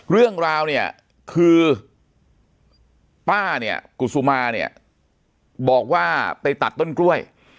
เรื่องราวคือป้ากุศุม่าบอกว่าไปตัดต้นกล้วย